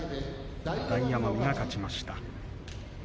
大奄美が勝ちました。